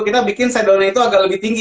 kita bikin sedownnya itu agak lebih tinggi